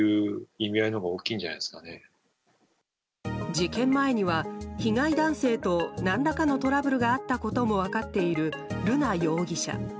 事件前には被害男性と何らかのトラブルがあったことも分かっている、瑠奈容疑者。